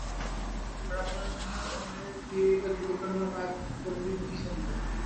ব্রাহ্মণের ঘরে ওর বিয়েই বা দেব কেন, আর রাগ করবই বা কী জন্যে?